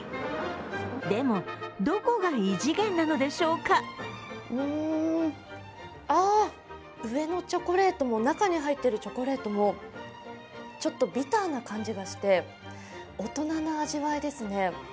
でも、どこが異次元なのでしょうかあ、上のチョコレートも中に入ってるチョコレートもちょっとビターな感じがして、大人な味わいですね。